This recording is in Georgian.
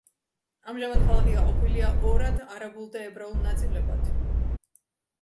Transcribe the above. ამჟამად ქალაქი გაყოფილია ორად არაბულ და ებრაულ ნაწილებად.